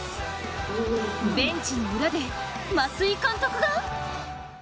ベンチの裏で、松井監督が！？